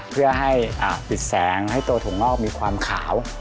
เพื่อให้ปิดแสงให้ตัวถุงงอกมีความขาว